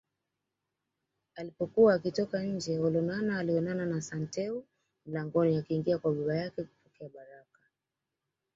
Alipokuwa akitoka nje Olonana alionana na Santeu mlangoni akiingia kwa baba yake kupokea baraka